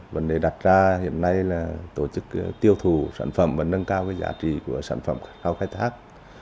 vấn đề đặt ra hiện nay là tổ chức tiêu thủ sản phẩm và nâng cao cái giá trị của sản phẩm khai thác